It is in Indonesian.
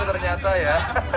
kembali ternyata ya